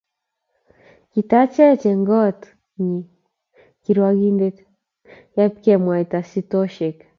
Kitachech eng kot nyi kirwakindet yakipkemwaitai shitoshek